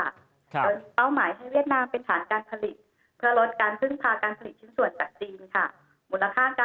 ก็เป้าหมายเวียดนามเศร้าการผลิตเพื่อลดการภึ้งสาการผลิตที่ส่วนจากจีนค่ะ